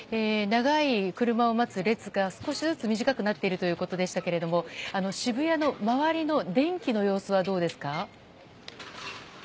長い車を待つ列が少しずつ短くなっているということでしたが渋谷の周りの電気の様子はどうですか？